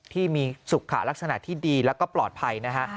ที่มีสุขาลักษณะที่ดีแล้วก็ปลอดภัยนะฮะ